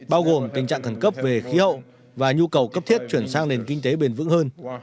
bao gồm tình trạng khẩn cấp về khí hậu và nhu cầu cấp thiết chuyển sang nền kinh tế bền vững hơn